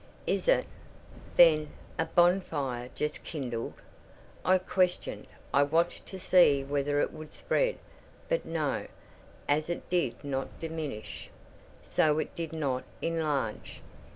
"Is it, then, a bonfire just kindled?" I questioned. I watched to see whether it would spread: but no; as it did not diminish, so it did not enlarge.